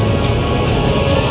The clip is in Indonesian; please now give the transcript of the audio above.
aku mau ke rumah